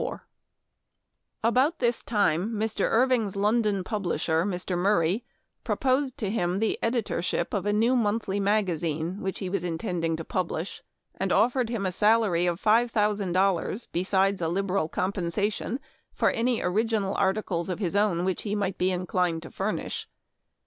A BOUT this time Mr. Irving's London pub *■* lisher, Mr. Murray, proposed to him the editorship of a new monthly magazine which he was intending to publish, and offered him a salary of five thousand dollars, besides a liberal compensation for any original articles of his own which he might be inclined to furnish.